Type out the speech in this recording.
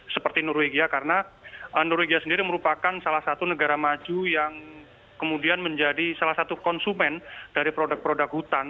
seperti norwegia karena norwegia sendiri merupakan salah satu negara maju yang kemudian menjadi salah satu konsumen dari produk produk hutan